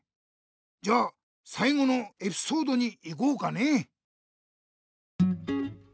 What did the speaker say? じゃあさい後のエピソードにいこうかね。